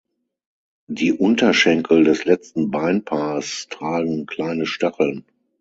Die Unterschenkel des letzten Beinpaars tragen kleine Stacheln.